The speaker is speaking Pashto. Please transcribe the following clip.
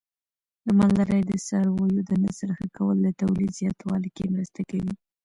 د مالدارۍ د څارویو د نسل ښه کول د تولید زیاتوالي کې مرسته کوي.